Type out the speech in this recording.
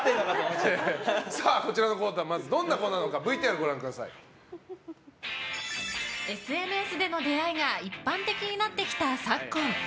こちらのコーナーがどんなコーナーなのかＳＮＳでの出会いが一般的になってきた、昨今。